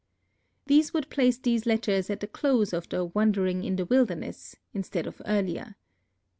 This would place these letters at the close of the "Wandering in the Wilderness," instead of earlier.